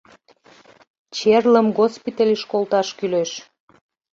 — Черлым госпитальыш колташ кӱлеш!